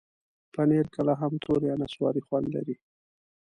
پنېر کله هم تور یا نسواري خوند لري.